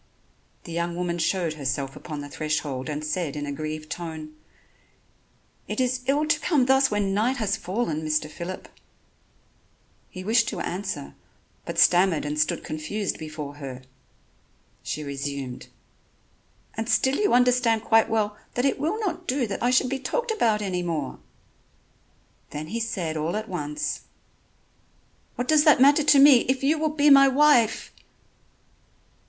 The young woman showed herself upon the threshold and said in a grieved tone: "It is ill to come thus when night has fallen, Mr. Phillip." He wished to answer, but stammered and stood confused before her. She resumed: "And still you understand quite well that it will not do that I should be talked about any more." Then he said all at once: "What does that matter to me, if you will be my wife!"